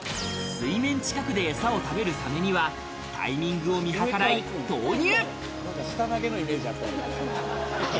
水面近くで餌を食べるサメには、タイミングを見計らい投入。